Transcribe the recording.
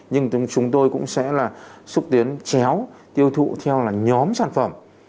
nhưng chúng tôi cũng sẽ là xúc tiến chéo tiêu thụ theo là nhóm sản phẩm